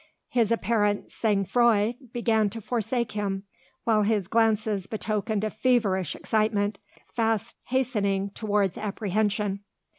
His apparent sangfroid began to forsake him; while his glances betokened a feverish excitement, fast hastening towards apprehension.